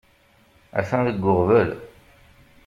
Atan deg uɣbel.